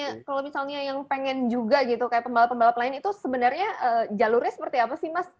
nah kalau misalnya yang pengen juga gitu kayak pembalap pembalap lain itu sebenarnya jalurnya seperti apa sih mas